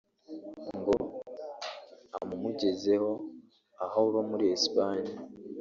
ngo amumugezeho aho aba muri Espagne